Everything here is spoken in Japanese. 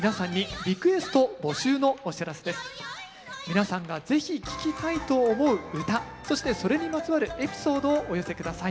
皆さんがぜひ聴きたいと思う唄そしてそれにまつわるエピソードをお寄せ下さい。